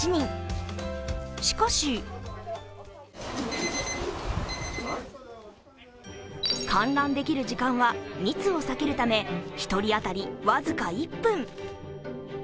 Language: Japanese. しかし、観覧できる時間は密を避けるため１人当たり僅か１分。